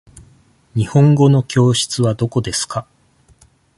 日本語の教室はどこですか。